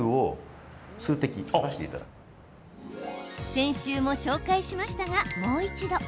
先週も紹介しましたがもう一度。